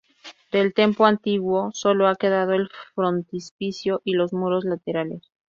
Del templo antiguo, sólo ha quedado el frontispicio y los muros laterales.